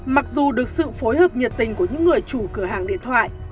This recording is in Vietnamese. mặc dù được sự phối hợp nhiệt tình của những người chủ cửa hàng điện thoại